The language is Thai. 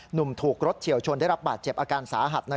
ถูกรถเฉียวชนได้รับบาดเจ็บอาการสาหัส